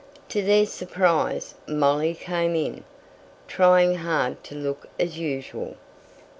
To their surprise, Molly came in, trying hard to look as usual.